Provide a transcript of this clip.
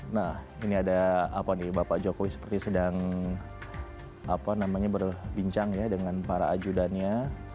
nah ini ada apa nih bapak jokowi seperti sedang berbincang ya dengan para ajudannya